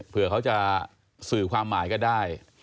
เผื่อเขาจะสื่อความหมายกันได้